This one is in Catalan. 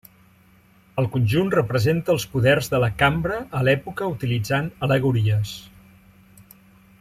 El conjunt representa els poders de la Cambra a l'època utilitzant al·legories.